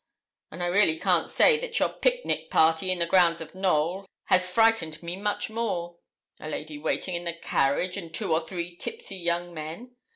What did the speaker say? And I really can't say that your pic nic party in the grounds of Knowl has frightened me much more. A lady waiting in the carriage, and two or three tipsy young men.